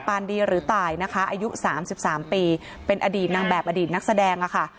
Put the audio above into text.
ดีหรือตายนะคะอายุ๓๓ปีเป็นอดีตนางแบบอดีตนักแสดงอะค่ะ